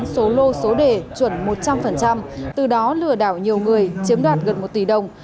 số lô số đề chuẩn một trăm linh từ đó lừa đảo nhiều người chiếm đoạt gần một tỷ đồng